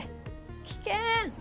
危険！